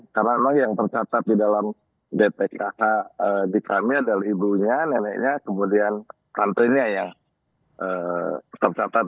karena memang yang tercatat di dalam dtkh di kami adalah ibunya neneknya kemudian santrinya yang tercatat